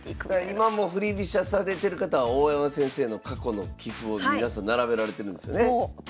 今も振り飛車されてる方は大山先生の過去の棋譜を皆さん並べられてるんですよね。